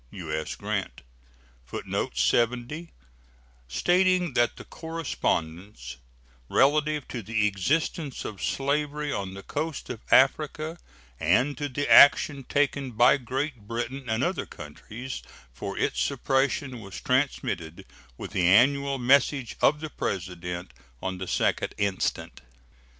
U.S. GRANT. [Footnote 70: Stating that the correspondence relative to the existence of slavery on the coast of Africa and to the action taken by Great Britain and other countries for its suppression was transmitted with the annual message of the President on the 2d instant.